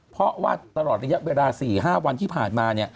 เพราะว่าตลอดระยะเวลา๔๕วันที่ผ่านมา